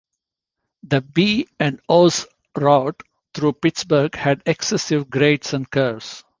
The B and O's route through Pittsburgh had excessive grades and curves.